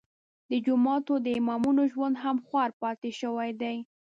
د جوماتونو د امامانو ژوند هم خوار پاتې شوی دی.